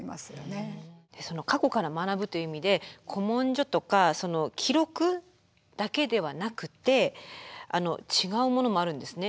その過去から学ぶという意味で古文書とかその記録だけではなくて違うものもあるんですね。